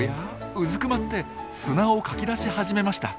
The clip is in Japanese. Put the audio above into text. うずくまって砂をかきだし始めました。